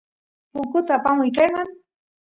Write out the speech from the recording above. punkut apamuy kayman